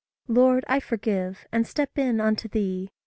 Lord, I forgive and step in unto thee.